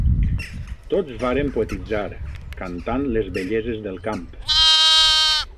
Tots varen poetitzar, cantant les belleses del camp.